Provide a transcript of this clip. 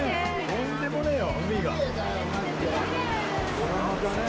とんでもねえよ